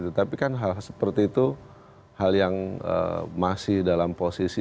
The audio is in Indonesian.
tetapi kan hal hal seperti itu hal yang masih dalam posisi